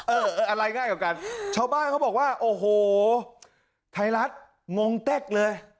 อะไรง่ายกว่ากันชาวบ้านเขาบอกว่าโอ้โหไทยรัฐงงเต๊กเลย